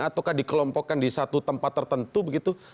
ataukah dikelompokkan di satu tempat tertentu begitu